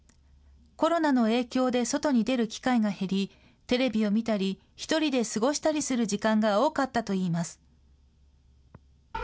コロナの影響で外に出る機会が減り、テレビを見たり、１人で過ごしたりする時間が多かったといいます。